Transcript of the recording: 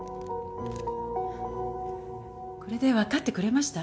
これでわかってくれました？